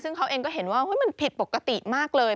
ซึ่งเขาเองก็เห็นว่ามันผิดปกติมากเลย